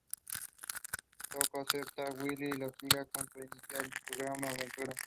Toto acepta que Willy lo siga y juntos inician su gran "aventura".